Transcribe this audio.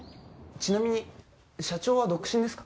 ちなみに社長は独身ですか？